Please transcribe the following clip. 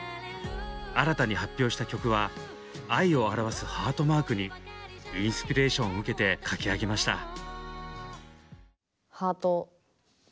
新たに発表した曲は「愛」を表すハートマークにインスピレーションを受けて書き上げました。